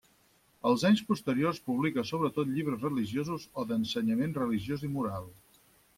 Als anys posteriors publica sobretot llibres religiosos o d'ensenyament religiós i moral.